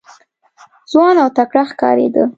ځوان او تکړه ښکارېده.